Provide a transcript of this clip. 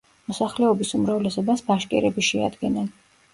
მოსახლეობის უმრავლესობას ბაშკირები შეადგენენ.